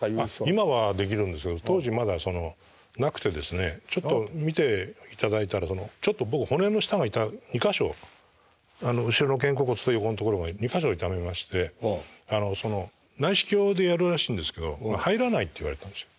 今はできるんですけど当時まだそのなくてですねちょっと診ていただいたらちょっと僕骨の下２か所後ろの肩甲骨と横の所が２か所痛めまして内視鏡でやるらしいんですけど入らないって言われたんですよ。